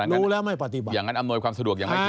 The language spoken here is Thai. รู้แล้วไม่ปฏิบัติ